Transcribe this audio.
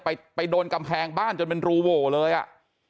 ไปไปโดนกำแพงบ้านจนเป็นรูโหวเลยอ่ะ